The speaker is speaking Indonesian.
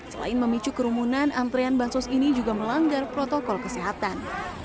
selain memicu kerumunan antrean bansos ini juga melanggar protokol kesehatan